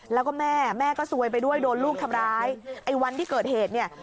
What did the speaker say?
แล้วก็แม่แม่ก็ซวยไปด้วยโดนลูกทำร้ายไอ้วันที่เกิดเหตุเนี่ย